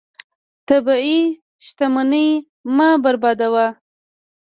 طبیعي شتمنۍ مه بربادوه.